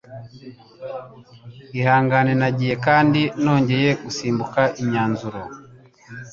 Ihangane, Nagiye kandi nongeye gusimbuka imyanzuro.